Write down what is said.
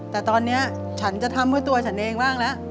แต่ตอนนี้ฉันจะทำเพื่อตัวฉันเองบ้างแล้ว